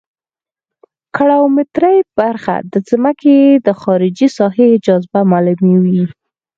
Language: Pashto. ګراومتري برخه د ځمکې د خارجي ساحې جاذبه معلوموي